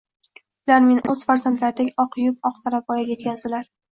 Ular meni o‘z farzandlaridek oq yuvib, oq tarab voyaga yetkazdilar.